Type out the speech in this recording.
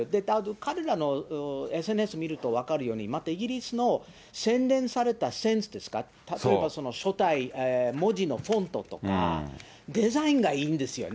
彼らのＳＮＳ見ると分かるように、またイギリスの洗練されたセンスですか、例えば書体、文字のフォントとか、デザインがいいんですよね。